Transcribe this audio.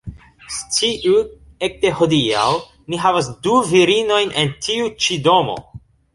Sciu, ekde hodiaŭ, ni havas du virinojn en tiu ĉi domo